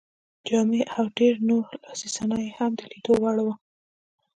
جامې او ډېر نور لاسي صنایع یې هم د لیدلو وړ وو.